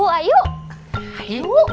duduk dulu atu minum dulu